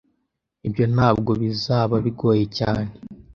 Ibyo ntabwo bizaba bigoye cyane.